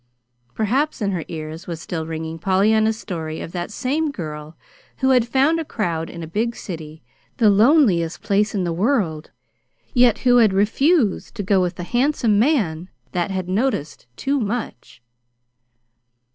Perhaps in her ears was still ringing Pollyanna's story of that same girl who had found a crowd in a big city the loneliest place in the world, yet who had refused to go with the handsome man that had "noticed too much."